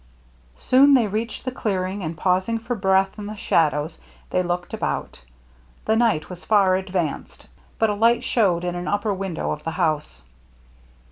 Soon they reached the clearing, and, pausing for breath in the shadows, they looked about. The night was far advanced, but a light showed in an upper window of the house.